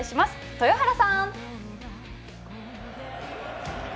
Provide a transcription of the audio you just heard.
豊原さん！